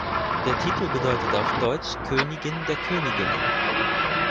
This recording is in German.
Der Titel bedeutet auf Deutsch „Königin der Königinnen“.